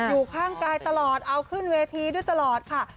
อยู่ข้างกายตลอดเอาขึ้นเวทีด้วยตลอดค่ะ